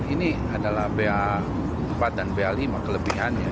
ini adalah ba empat dan ba lima kelebihannya